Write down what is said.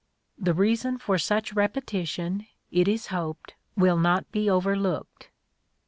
The reason for such repetition it is hoped will not be overlooked.